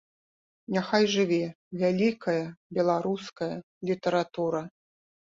Няхай жыве вялікая беларуская літаратура!